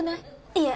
いえ。